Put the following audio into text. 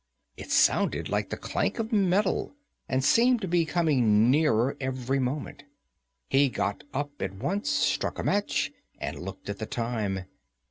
It sounded like the clank of metal, and seemed to be coming nearer every moment. He got up at once, struck a match, and looked at the time.